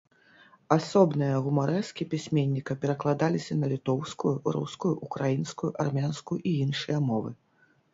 Асобныя гумарэскі пісьменніка перакладаліся на літоўскую, рускую, украінскую, армянскую і іншыя мовы.